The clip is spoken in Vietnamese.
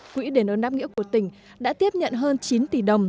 quỹ đền ơn đáp nghĩa của tỉnh đã tiếp nhận hơn chín tỷ đồng